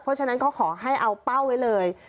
เพราะฉะนั้นก็ขอให้เอาเป้าไว้เลย